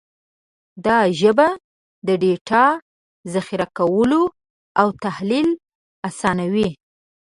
دا ژبه د ډیټا ذخیره کول او تحلیل اسانوي.